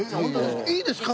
いいですか？